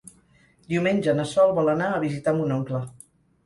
Diumenge na Sol vol anar a visitar mon oncle.